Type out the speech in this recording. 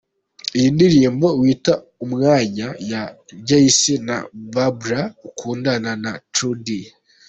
Iyi ni indirimbo "Wita Umwanya" ya Jay-C na Babla ukundana na True D:.